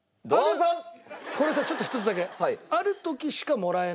これさちょっと一つだけ。